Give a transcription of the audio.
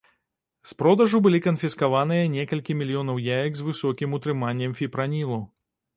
З продажу былі канфіскаваныя некалькі мільёнаў яек з з высокім утрыманнем фіпранілу.